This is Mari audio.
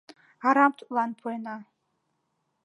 Арам тудлан пуэнна.